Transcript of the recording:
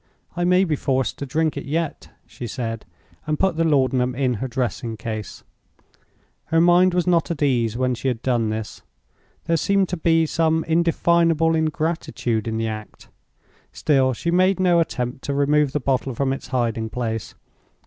"I may be forced to drink it yet," she said, and put the laudanum into her dressing case. Her mind was not at ease when she had done this: there seemed to be some indefinable ingratitude in the act. Still she made no attempt to remove the bottle from its hiding place.